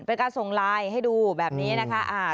เป็นการส่งไลน์ให้ดูแบบนี้นะคะ